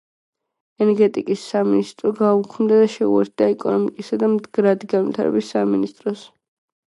ენერგეტიკის სამინისტრო გაუქმდა და შეუერთდა ეკონომიკისა და მდგრადი განვითარების სამინისტროს.